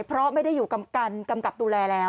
เพราะไม่ได้อยู่กำกับดูแลแล้ว